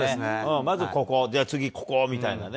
まずここ、次ここみたいなね。